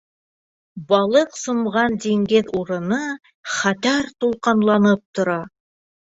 Балыҡ сумған диңгеҙ урыны хәтәр тулҡынланып тора.